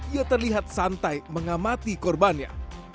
ia terlihat santai mengamati korbannya